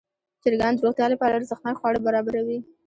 چرګان د روغتیا لپاره ارزښتناک خواړه برابروي.